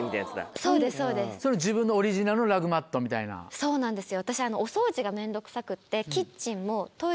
そうなんですよ。